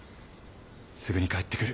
すぐに帰ってくる。